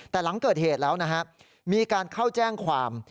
แต่หลังเกิดเหตุแล้วนะฮะมีการเข้าแจ้งความ